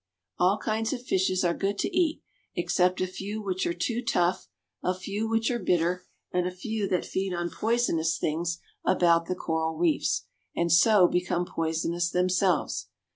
All kinds of fishes are good to eat except a few which are too tough, a few which are bitter, and a few that feed on poisonous things about the coral reefs and so become poisonous themselves.